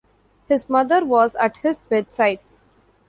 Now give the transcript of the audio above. His mother was at his bedside.